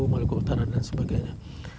maluku utara dan sebagainya